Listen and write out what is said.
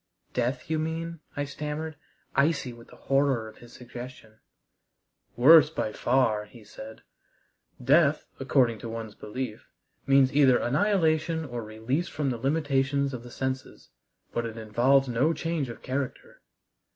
"Death you mean?" I stammered, icy with the horror of his suggestion. "Worse by far," he said. "Death, according to one's belief, means either annihilation or release from the limitations of the senses, but it involves no change of character.